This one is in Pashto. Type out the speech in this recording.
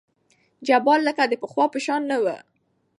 جبار لکه د پخوا په شان نه وو.